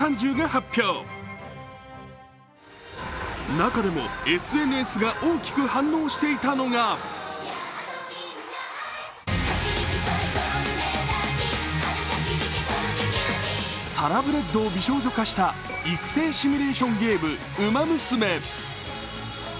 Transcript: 中でもＳＮＳが大きく反応していたのがサラブレッドを美少女化、育成シミュレーションゲーム「ウマ娘」。